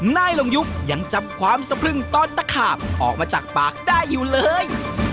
นายลงยุบยังจับความสะพรึงตอนตะขาบออกมาจากปากได้อยู่เลย